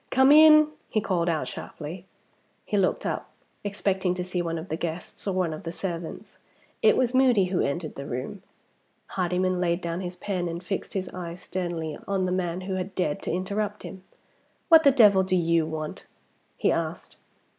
"Come in," he called out sharply. He looked up, expecting to see one of the guests or one of the servants. It was Moody who entered the room. Hardyman laid down his pen, and fixed his eyes sternly on the man who had dared to interrupt him. "What the devil do you want?" he asked.